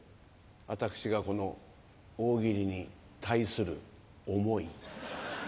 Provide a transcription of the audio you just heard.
私がこの大喜利に対する思い。